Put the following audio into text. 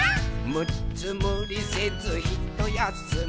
「むっつむりせずひとやすみ」